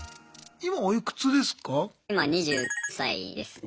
今おいくつですか？